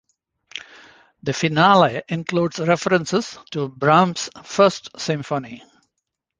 The Finale includes references to Brahms's First Symphony.